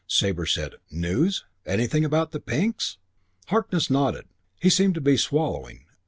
Sabre said, "News? Anything about the Pinks?" Harkness nodded. He seemed to be swallowing.